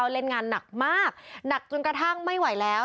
เล่นงานหนักมากหนักจนกระทั่งไม่ไหวแล้ว